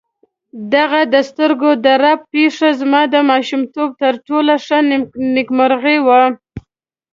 دغه د سترګو د رپ پېښه زما د ماشومتوب تر ټولو ښه نېکمرغي وه.